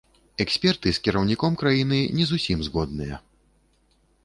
Эксперты з кіраўніком краіны не зусім згодныя.